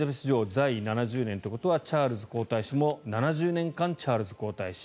在位７０年ということはチャールズ皇太子も７０年間、チャールズ皇太子。